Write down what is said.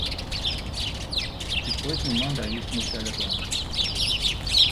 Depois me manda isso no Telegram.